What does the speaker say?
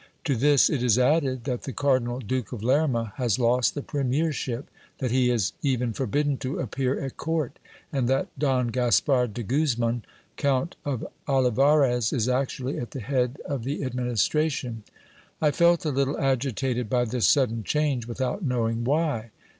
To this it is added, that the cardinal Duke of Lerma has lost the premiership, that he is even forbidden to appear at court, and that Don Gaspard de Guzman, Count of Olivarez, is actually at the head of the administration. I felt a little agitated by this sudden change, without knowing why.